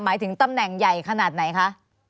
หมายถึงตำแหน่งใหญ่ขนาดไหนคะ